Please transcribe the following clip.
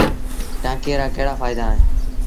ٽآنڪي رآڪهڙآ ڦآئيدآ اهيݩ۔